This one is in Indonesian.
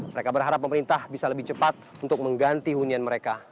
mereka berharap pemerintah bisa lebih cepat untuk mengganti hunian mereka